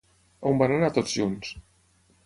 On van anar tots junts?